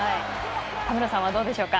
田村さんはどうですか？